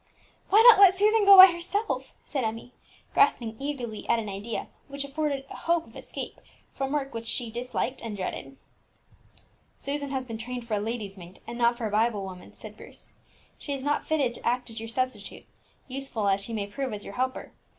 "Why not let Susan go by herself?" said Emmie, grasping eagerly at an idea which afforded a hope of escape from work which she disliked and dreaded. "Susan has been trained for a lady's maid, and not for a Bible woman," said Bruce; "she is not fitted to act as your substitute, useful as she may prove as your helper.